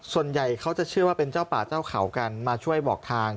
ส่วนใหญ่เขาจะเชื่อว่าเป็นเจ้าป่าเจ้าเขากันมาช่วยบอกทาง